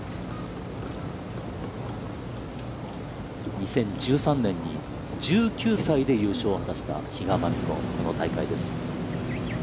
２０１３年に１９歳で優勝を果たした比嘉真美子、この大会です。